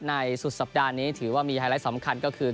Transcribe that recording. สุดสัปดาห์นี้ถือว่ามีไฮไลท์สำคัญก็คือ